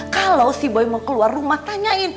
kalau si boy mau keluar rumah tanyain